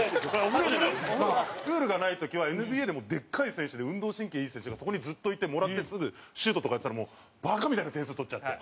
ルールがない時はＮＢＡでも、でっかい選手で運動神経いい選手がそこに、ずっといてもらって、すぐシュートとかやってたらバカみたいな点数取っちゃって。